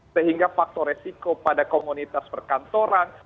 sehingga faktor resiko pada komunitas perkantoran